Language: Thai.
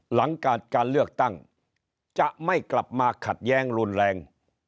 หลังการเลือกตั้งจะไม่กลับมาขัดแย้งรุนแรง